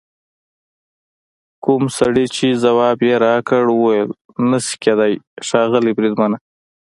کوم سړي چې ځواب یې راکړ وویل: نه شي کېدای ښاغلي بریدمنه.